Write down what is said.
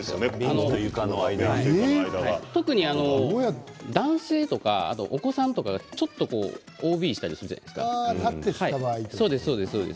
特に男性やお子さんとかがちょっとＯＢしたりするじゃないですか。